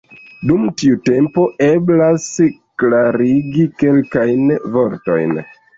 Dum tiu tempo eblas klarigi kelkajn vortojn.